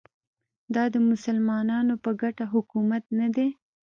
دا د مسلمانانو په ګټه حکومت نه دی